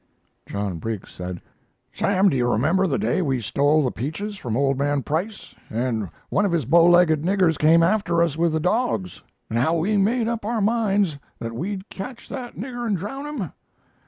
John Briggs said: "Sam, do you remember the day we stole the peaches from old man Price and one of his bow legged niggers came after us with the dogs, and how we made up our minds that we'd catch that nigger and drown him?"